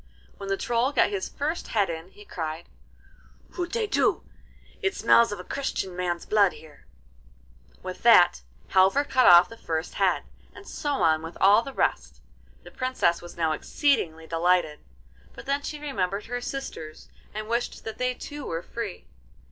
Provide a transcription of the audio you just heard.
When the Troll got his first head in he cried: 'Hutetu! It smells of a Christian man's blood here!' With that Halvor cut off the first head, and so on with all the rest. The Princess was now exceedingly delighted, but then she remembered her sisters, and wished that they too were free.